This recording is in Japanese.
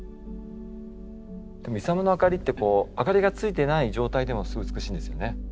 でもイサムのあかりってこうあかりがついてない状態でもすごい美しいんですよね。